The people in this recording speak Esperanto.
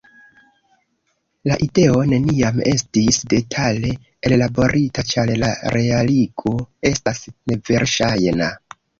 La ideo neniam estis detale ellaborita ĉar la realigo estas neverŝajna.